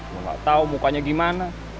gue gak tau mukanya gimana